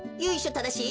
ただしい